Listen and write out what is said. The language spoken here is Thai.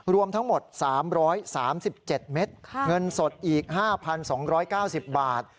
รวมทั้งหมด๓๓๗เม็ดเงินสดอีก๕๒๙๐บาท